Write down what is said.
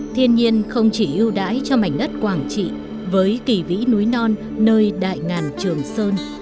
thiên nhiên không chỉ ưu đãi cho mảnh đất quảng trị với kỳ vĩ núi non nơi đại ngàn trường sơn